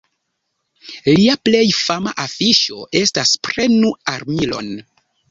Lia plej fama afiŝo estas "Prenu armilon!".